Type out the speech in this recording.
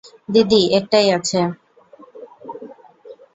দিদি একটাই আছে।